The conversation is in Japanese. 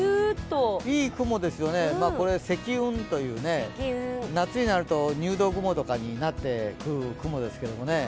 これ積雲というですね、夏になると入道雲とかになってくる雲ですけどね。